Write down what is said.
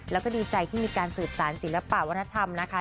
แล้วก็ดีใจที่มีการสืบสารศิลปะวัฒนธรรมนะคะ